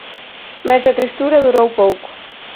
Mais a tristura durou pouco.